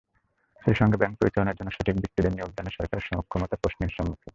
সেই সঙ্গে ব্যাংক পরিচালনার জন্য সঠিক ব্যক্তিদের নিয়োগদানে সরকারের সক্ষমতা প্রশ্নের সম্মুখীন।